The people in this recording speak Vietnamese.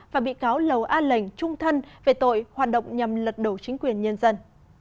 và bị cáo lầu a lệnh trung thân về tội hoạt động nhằm lật đổ chính quyền nhân dân